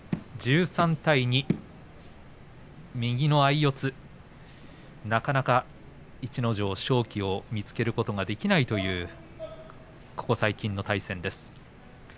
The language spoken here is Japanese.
１３対２右の相四つ、なかなか逸ノ城、勝機を見つけることができないというここ最近の対戦です。